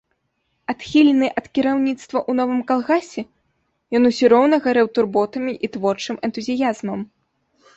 Адхілены ад кіраўніцтва ў новым калгасе, ён усё роўна гарэў турботамі і творчым энтузіязмам.